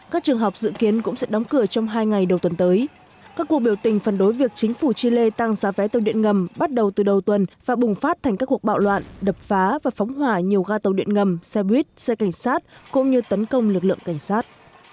các cuộc biểu tình phần đối việc chính phủ chile tăng giá vé tàu điện ngầm bắt đầu từ đầu tuần và bùng phát thành các cuộc bạo loạn đập phá và phóng hỏa nhiều ga tàu điện ngầm xe buýt xe cảnh sát cũng như tấn công lực lượng cảnh sát